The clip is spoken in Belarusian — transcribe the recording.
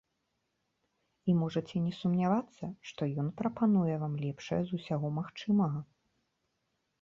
І можаце не сумнявацца, што ён прапануе вам лепшае з усяго магчымага.